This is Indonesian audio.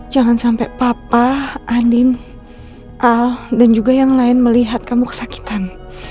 jangan sampai papa anin al dan juga yang lain melihat kamu kesakitan